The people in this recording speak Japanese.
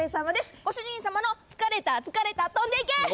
ご主人様の疲れた疲れた飛んでいけ！